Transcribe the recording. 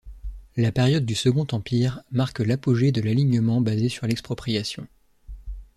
La période du Second Empire marque l'apogée de l'alignement basé sur l'expropriation.